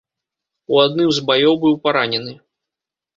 У адным з баёў быў паранены.